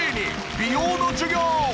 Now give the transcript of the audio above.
美容の授業！